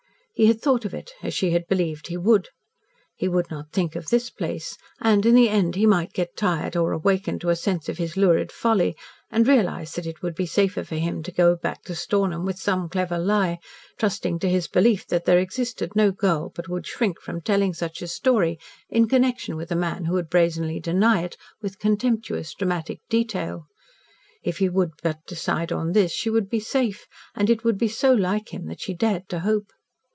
He had thought of it, as she had believed he would. He would not think of this place, and in the end he might get tired or awakened to a sense of his lurid folly, and realise that it would be safer for him to go back to Stornham with some clever lie, trusting to his belief that there existed no girl but would shrink from telling such a story in connection with a man who would brazenly deny it with contemptuous dramatic detail. If he would but decide on this, she would be safe and it would be so like him that she dared to hope.